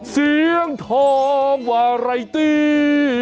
เสียงทองวาไรตี้